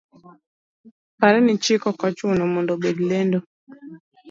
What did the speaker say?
Par ni chik okochuno mondo obed lendo,